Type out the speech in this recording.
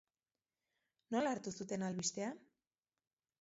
Nola hartu zuten albistea?